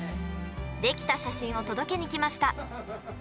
出来た写真を届けに来ました。